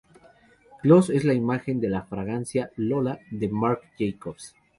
Kloss es la imagen de la fragancia "Lola" de Marc Jacobs.